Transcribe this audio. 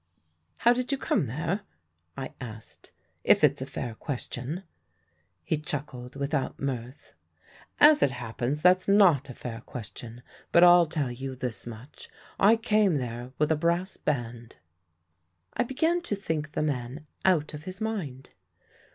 "How did you come there?" I asked, "if it's a fair question." He chuckled without mirth. "As it happens, that's not a fair question. But I'll tell you this much, I came there with a brass band." I began to think the man out of his mind.